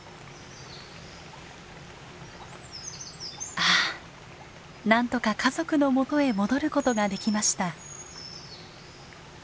ああなんとか家族のもとへ戻ることができました。